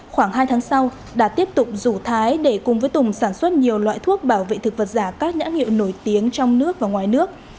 khoảng hai tháng sau đạt tiếp tục rủ thái để cùng với tùng sản xuất nhiều loại thuốc bảo vệ thực vật giả các nhãn hiệu nổi tiếng trong nước và ngoài nước